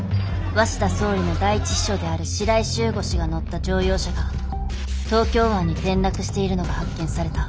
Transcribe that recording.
鷲田総理の第一秘書である白井柊吾氏が乗った乗用車が東京湾に転落しているのが発見された。